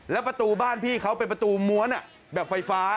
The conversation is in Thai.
แล้วประตูบ้านพี่เขาเป็นประตูม้วนแบบไฟฟ้า